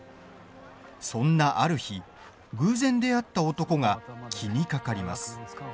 そんなある日、偶然出会った男が気にかかります。